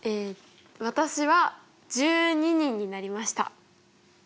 私は１２人になりました。